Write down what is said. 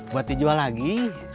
buat dijual lagi